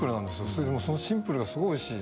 それでもそのシンプルがすごいおいしい。